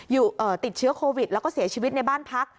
ติดเชื้อโควิดแล้วก็เสียชีวิตในบ้านพัก